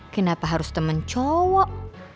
kenapa harus temen cowok